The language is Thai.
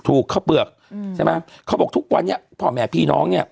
ข้าวเปลือกอืมใช่ไหมเขาบอกทุกวันนี้พ่อแม่พี่น้องเนี้ย